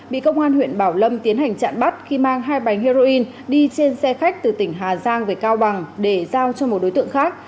bị công an huyện bảo lâm tiến hành chặn bắt khi mang hai bánh heroin đi trên xe khách từ tỉnh hà giang về cao bằng để giao cho một đối tượng khác